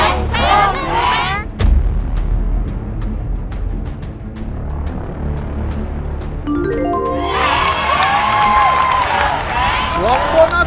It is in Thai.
หนึ่งล้านหนึ่งล้านหนึ่งล้าน